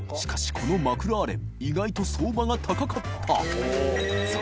このマクラーレン意外と相場が高かった磴修